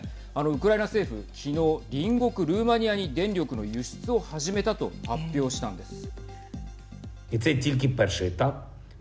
ウクライナ政府、きのう隣国ルーマニアに電力の輸出を始めたと発表したんです。